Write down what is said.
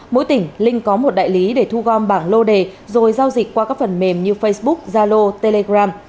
mỗi tỉnh linh có một đại lý để thu gom bảng lô đề rồi giao dịch qua các phần mềm như facebook zalo telegram